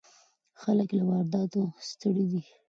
خلک له وارداتو ستړي دي.